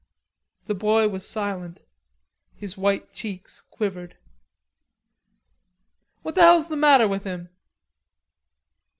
The boy; was silent; his white cheeks quivered. "What the hell's the matter with him?"